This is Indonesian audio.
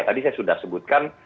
tadi saya sudah sebutkan